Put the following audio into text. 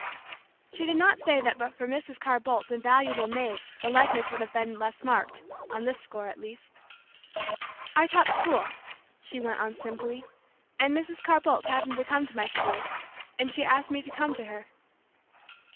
She did not say that but for Mrs. Carr Bolt's invaluable maid the likeness would have been less marked, on this score at least. "I taught school," she went on simply, "and Mrs. Carr Bolt happened to come to my school, and she asked me to come to her."